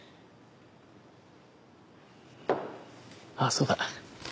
あっそうだ。